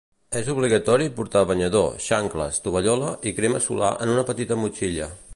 És obligatori portar banyador, xancles, tovallola i crema solar en una petita motxilla.